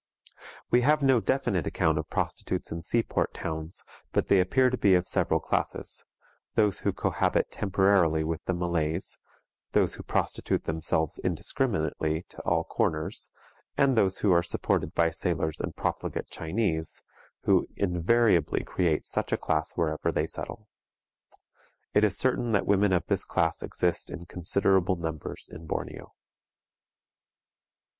We have no definite account of prostitutes in sea port towns, but they appear to be of several classes: those who cohabit temporarily with the Malays, those who prostitute themselves indiscriminately to all comers, and those who are supported by sailors and profligate Chinese, who invariably create such a class wherever they settle. It is certain that women of this class exist in considerable numbers in Borneo.